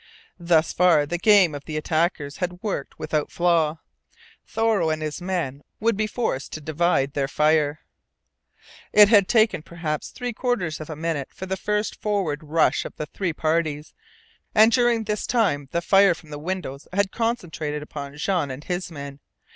Thus far the game of the attackers had worked without flaw. Thoreau and his men would be forced to divide their fire, It had taken perhaps three quarters of a minute for the first forward rush of the three parties, and during this time the fire from the windows had concentrated upon Jean and his men.